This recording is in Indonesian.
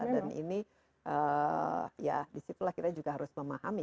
dan ini ya disitulah kita juga harus memahami